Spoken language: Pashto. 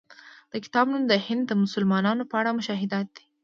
د کتاب نوم د هند د مسلمانانو په اړه مشاهدات دی.